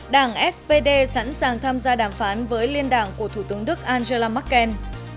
trong phần tin thế giới đảng spd sẵn sàng tham gia đàm phán với liên đảng của thủ tướng đức angela merkel